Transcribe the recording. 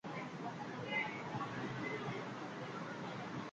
এ দলের খেলোয়াড়দের তালিকা দেয়া হলো।